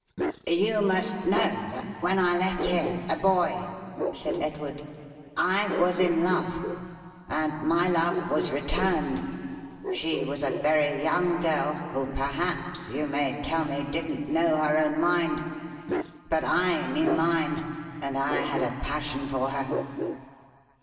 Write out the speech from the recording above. "You must know that when I left here, a boy," said Edward, "I was in love: and my love was returned. She was a very young girl, who perhaps (you may tell me) didn't know her own mind. But I knew mine; and I had a passion for her."